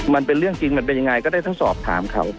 มันเป็นเรื่องจริงมันเป็นยังไงก็ได้ทั้งสอบถามเขา